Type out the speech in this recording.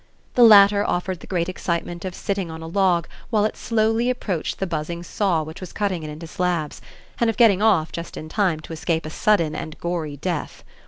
The latter offered the great excitement of sitting on a log while it slowly approached the buzzing saw which was cutting it into slabs, and of getting off just in time to escape a sudden and gory death.